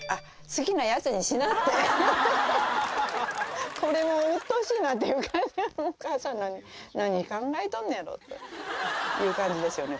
「好きなやつにしな！」ってこれもう鬱陶しいなっていう感じお母さん何考えとんのやろっていう感じですよね